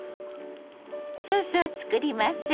ソースを作ります。